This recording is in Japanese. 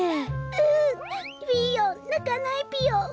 うんピーヨンなかないぴよ。